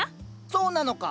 そなのか。